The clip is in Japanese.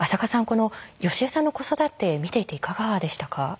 このよしえさんの子育て見ていていかがでしたか？